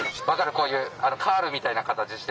こういうカールみたいな形してるでしょ。